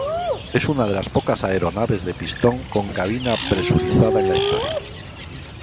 Es una de las pocas aeronaves de pistón con cabina presurizada en la historia.